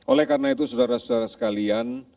oleh karena itu saudara saudara sekalian